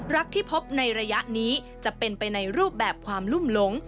ที่พบในระยะนี้จะเป็นไปในรูปแบบความลุ่มหลง